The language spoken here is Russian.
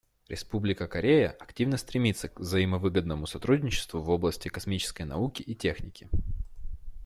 Республика Корея активно стремится к взаимовыгодному сотрудничеству в области космической науки и техники.